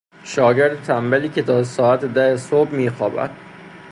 شاگرد تنبلی که تا ساعت ده صبح میخوابد.